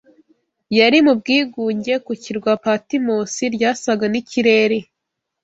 yari mu bwigunge ku kirwa Patimosi ryasaga n’ikirere